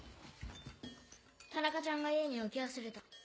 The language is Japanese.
田中ちゃんが家に置き忘れた。